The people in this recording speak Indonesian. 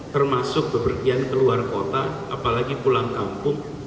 termasuk berpergian ke luar kota apalagi pulang kampung